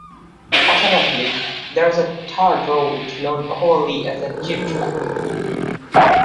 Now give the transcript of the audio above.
Alternatively, there is a tarred road known popularly as the "jeep track".